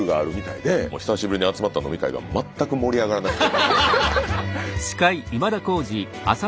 久しぶりに集まった飲み会が全く盛り上がらなくて。